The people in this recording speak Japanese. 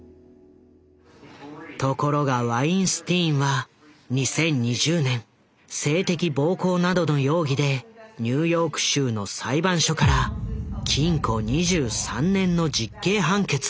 ところがワインスティーンは２０２０年性的暴行などの容疑でニューヨーク州の裁判所から禁固２３年の実刑判決を受ける。